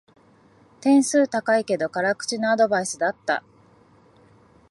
点数高いけど辛口なアドバイスだった